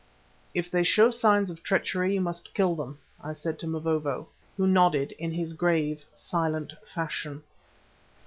"If they show signs of treachery, you must kill them," I said to Mavovo, who nodded in his grave, silent fashion.